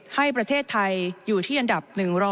ให้ประเทศไทยอยู่ที่อันดับ๑๐